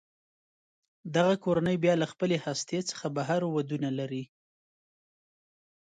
دغه کورنۍ بیا له خپلې هستې څخه بهر ودونه لري.